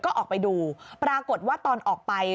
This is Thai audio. ก็ออกไปดูปรากฏว่าตอนออกไป